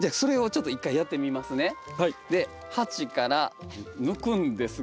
で鉢から抜くんですが。